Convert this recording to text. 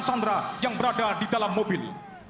sandra yang berada di dalam mobil